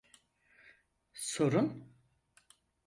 Sorun?